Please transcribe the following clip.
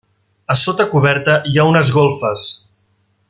A sota coberta hi ha unes golfes.